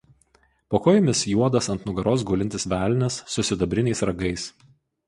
Po kojomis juodas ant nugaros gulintis velnias su sidabriniais ragais.